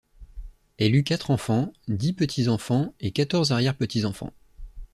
Elle eut quatre enfants, dix petits-enfants et quatorze arrière-petits-enfants.